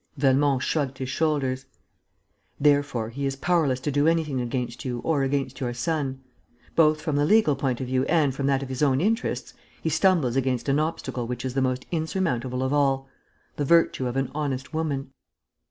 Velmont shrugged his shoulders: "Therefore he is powerless to do anything against you or against your son. Both from the legal point of view and from that of his own interests, he stumbles against an obstacle which is the most insurmountable of all: the virtue of an honest woman.